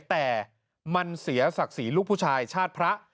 แต่มันเสียศักดิ์ศรีลูกผู้ชายชาติพระ